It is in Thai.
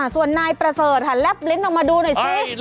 ส่วนนายประเสริฐค่ะแลบลิ้นออกมาดูหน่อยซิ